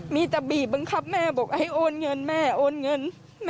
มีแต่บีบบังคับแม่บอกให้โอนเงินแม่โอนเงิน